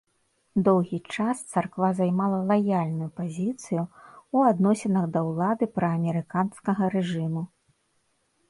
Доўгі час царква займала лаяльную пазіцыю ў адносінах да ўлады праамерыканскага рэжыму.